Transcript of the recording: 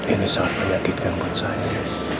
ini sangat menyakitkan buat saya